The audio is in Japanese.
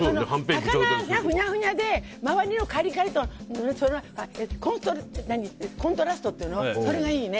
魚がふわふわで周りのぐちゃぐちゃとコントラストっていうのそれがいいね。